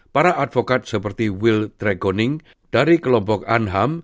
para advokat seperti will dregoning dari kelompok anham